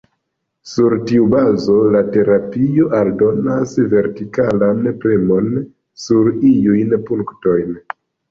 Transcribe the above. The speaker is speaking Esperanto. Sur tiu bazo la terapio aldonas vertikalan premon sur iujn punktojn.